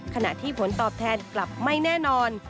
ขณะที่ผลตอบแทนกลับไม่แน่นอน